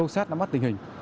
xác lắm bắt tình hình